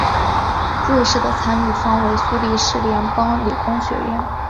瑞士的参与方为苏黎世联邦理工学院。